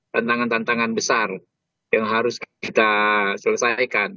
tantangan tantangan besar yang harus kita selesaikan